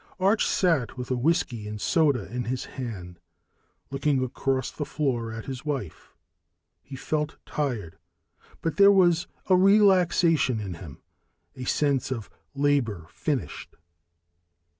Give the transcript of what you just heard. Arch sat with a whiskey and soda in his hand, looking across the floor at his wife. He felt tired, but there was a relaxation in him, a sense of labor finished.